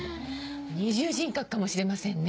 二重人格かもしれませんね。